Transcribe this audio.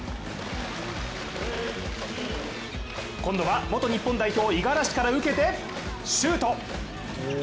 今度は元日本代表五十嵐から受けてシュート。